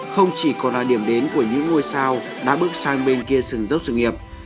không chỉ còn là điểm đến của những ngôi sao đã bước sang bên kia sừng dấp sự nghiệp